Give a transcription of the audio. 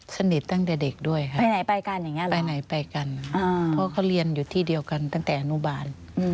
สนิทตั้งแต่เด็กด้วยครับไปไหนไปกันอย่างนี้หรอไปไหนไปกันเพราะเขาเรียนอยู่ที่เดียวกันตั้งแต่อนุบาล